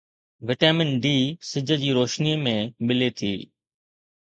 vitamin D سج جي روشنيءَ ۾ ملي ٿي